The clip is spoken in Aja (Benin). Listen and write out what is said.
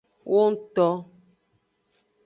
Wongto.